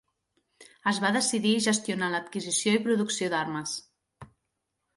Es va decidir gestionar l'adquisició i producció d'armes.